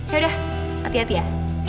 yaudah hati hati ya